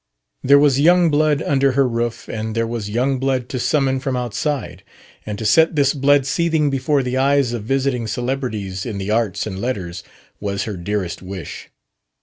There was young blood under her roof, and there was young blood to summon from outside; and to set this blood seething before the eyes of visiting celebrities in the arts and letters was her dearest wish.